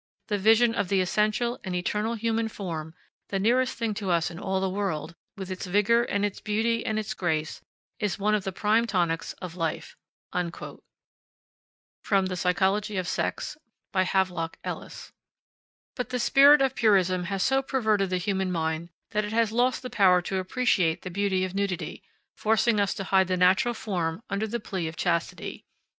The vision of the essential and eternal human form, the nearest thing to us in all the world, with its vigor and its beauty and its grace, is one of the prime tonics of life." But the spirit of purism has so perverted the human mind that it has lost the power to appreciate the beauty of nudity, forcing us to hide the natural form under the plea of chastity.